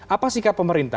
apa sikap pemerintah